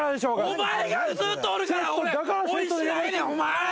お前。